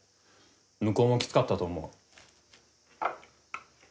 向こうもきつかったと思う。